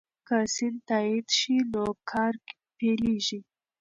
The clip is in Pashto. که سند تایید شي نو کار پیلیږي.